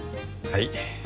はい。